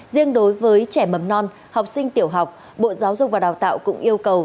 riêng đối với trẻ mầm non học sinh tiểu học bộ giáo dục và đào tạo cũng yêu cầu